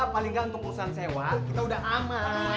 paling nggak untuk urusan sewa kita udah aman